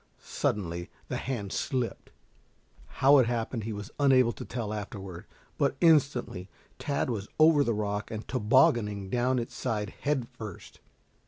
Suddenly the hand slipped. How it happened he was unable to tell afterward, but instantly Tad was over the rock and tobogganing down its side head first.